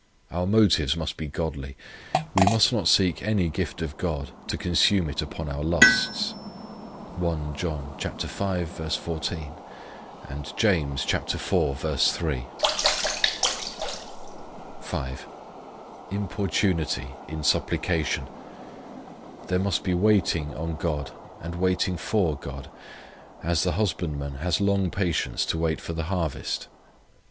Our motives must be godly: we must not seek any gift of God to consume it upon our lusts. (1 John v. 14; James iv. 3.) 5. Importunity in supplication. There must be waiting on God and waiting for God, as the husbandman has long patience to wait for the harvest.